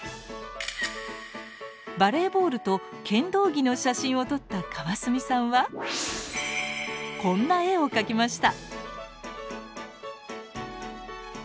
バレーボールと剣道着の写真を撮った川住さんはこんな絵を描きました。